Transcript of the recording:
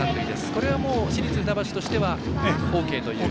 これは市立船橋としてはＯＫという？